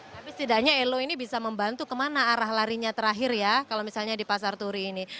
tapi setidaknya elo ini bisa membantu kemana arah larinya terakhir ya kalau misalnya di pasar turi ini